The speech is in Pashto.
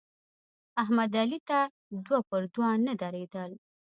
احمد علي ته دوه پر دوه نه درېدل.